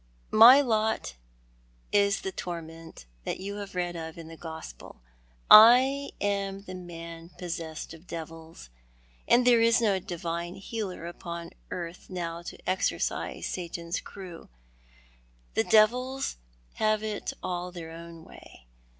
My lot is the torment you have read of in the Gospel. I am the man possessed of devils; and there is no Divine Healer upon earth now to exorcise Satan's crew. The devils have it all their own way.